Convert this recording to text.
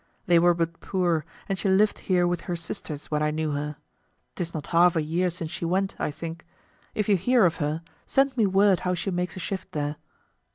They were but poor, and she lived here with her sisters when I knew her; 'tis not half a year since she went, I think. If you hear of her, send me word how she makes a shift there.